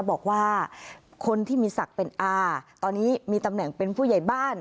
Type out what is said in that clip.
บอกว่าคนที่มีศักดิ์เป็นอาตอนนี้มีตำแหน่งเป็นผู้ใหญ่บ้าน